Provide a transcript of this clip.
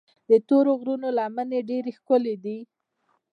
د تورو غرونو لمنې ډېرې ښکلي دي.